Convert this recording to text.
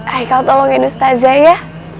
haikal tolongin ustadz ya